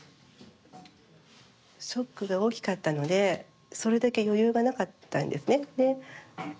ショックが大きかったのでそれだけ余裕がなかったんですね。